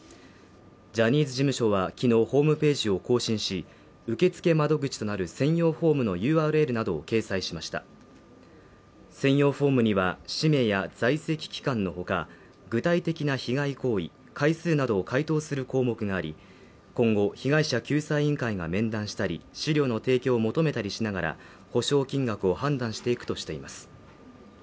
ジャニーズ事務所は昨日ホームページを更新し受付窓口となる専用フォームのＵＲＬなどを掲載しました専用フォームには氏名や在籍期間のほか具体的な被害行為、回数などを回答する項目があり今後、被害者救済委員会が面談したり資料の提供を求めたりしながら補償金額を判断していくとしています